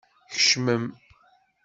Kecmem!